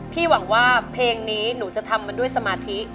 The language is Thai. หวังว่าเพลงนี้หนูจะทำมันด้วยสมาธิ